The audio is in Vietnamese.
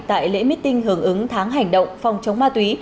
tại lễ meeting hưởng ứng tháng hành động phòng chống ma túy